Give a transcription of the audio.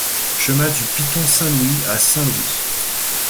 Chemin du Piton Saint-Louis à Saint-Louis